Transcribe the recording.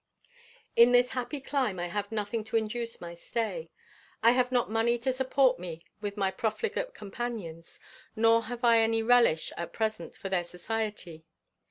In this happy clime I have nothing to induce my stay. I have not money to support me with my profligate companions, nor have I any relish, at present, for their society.